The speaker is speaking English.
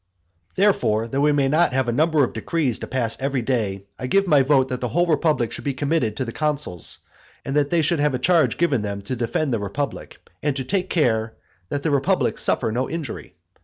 Therefore, that we may not have a number of decrees to pass every day, I give my vote that the whole republic should be committed to the consuls, and that they should have a charge given them to defend the republic, and to take care "that the republic suffer no injury."